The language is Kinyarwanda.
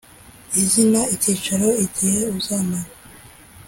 izina icyicaro igihe uzamara